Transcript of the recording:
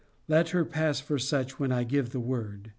Let her pass for such when I give the word.